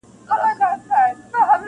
اشارو او استعارو څخه بې برخي کړو -